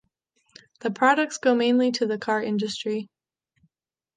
The products go mainly to the car industry.